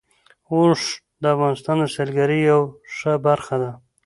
اوښ د افغانستان د سیلګرۍ یوه ښه برخه ده.